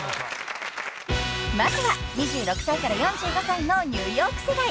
［まずは２６歳から４５歳のニューヨーク世代］